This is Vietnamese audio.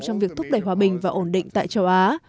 trong việc thúc đẩy hòa bình và ổn định tại châu á